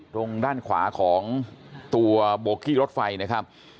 ตรงด้านขวาของตัวโบกี้รถไฟนะครับ